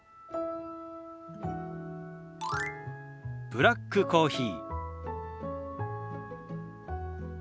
「ブラックコーヒー」。